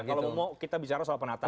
kalau kita bicara soal penataan